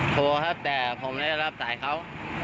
โทรครับแต่ผมไม่ได้รับสายเขา